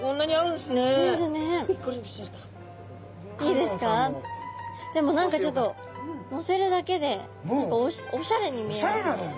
でも何かちょっとのせるだけでおしゃれに見えますね。